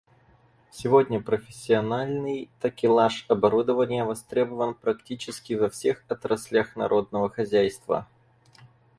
Сегодня профессиональный такелаж оборудования востребован практически во всех отраслях народного хозяйства.